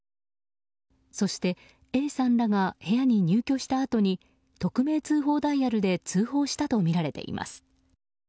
そしてＡさんらが部屋に入居したあとに匿名通報ダイヤルで通報したとみられています。